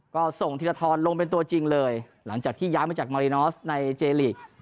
ก็ส่งธีรทรลงเป็นตัวจริงเลยหลังจากที่ย้ายมาจากมารินอสในเจลีก